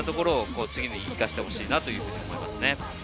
次に生かしてほしいなと思いますね。